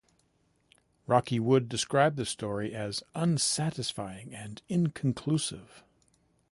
Rocky Wood described the story as "unsatisfying and inconclusive".